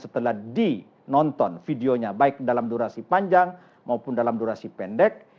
jadi nonton videonya baik dalam durasi panjang maupun dalam durasi pendek